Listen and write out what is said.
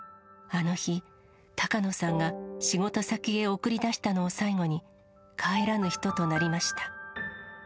あの日、高野さんが仕事先へ送り出したのを最後に、帰らぬ人となりました。